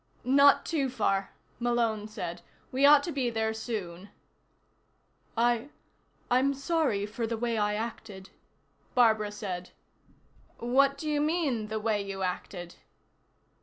"Not too far," Malone said. "We ought to be there soon." "I I'm sorry for the way I acted," Barbara said. "What do you mean, the way you acted?"